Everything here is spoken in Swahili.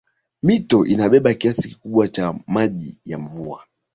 Mito inabeba kiasi kikubwa cha maji ya mvua